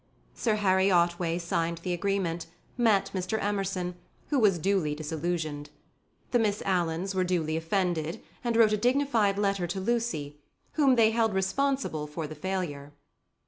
Sir Harry Otway signed the agreement, met Mr. Emerson, who was duly disillusioned. The Miss Alans were duly offended, and wrote a dignified letter to Lucy, whom they held responsible for the failure.